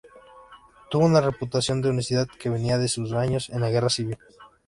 Tuvo una reputación de honestidad que venía de sus años en la Guerra Civil.